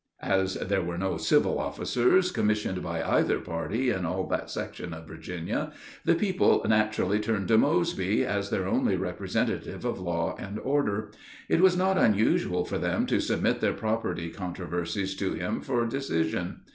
As there were no civil officers commissioned by either party in all that section of Virginia, the people naturally turned to Mosby as their only representative of law and order. It was not unusual for them to submit their property controversies to him for decision.